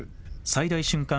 最大瞬間